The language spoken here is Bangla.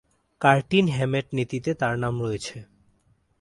কার্টিন-হ্যামেট নীতিতে তার নাম রয়েছে।